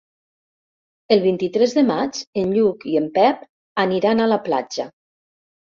El vint-i-tres de maig en Lluc i en Pep aniran a la platja.